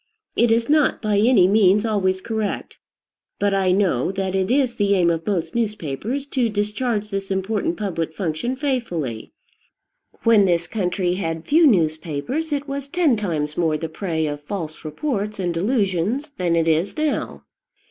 It is not by any means always correct; but I know that it is the aim of most newspapers to discharge this important public function faithfully. When this country had few newspapers it was ten times more the prey of false reports and delusions than it is now.